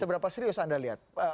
seberapa serius anda lihat